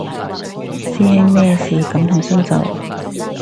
師兄咩事感同身受